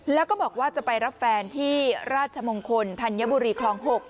แล้วก็บอกว่าจะไปรับแฟนที่ราชมงคลธัญบุรีคลอง๖